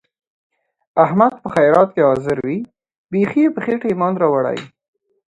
احمد په هر خیرات کې حاضر وي. بیخي یې په خېټه ایمان راوړی.